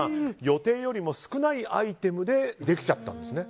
予定よりも少ないアイテムでできちゃったんですね。